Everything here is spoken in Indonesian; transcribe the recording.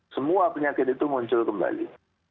semua penyakit itu muncul kembali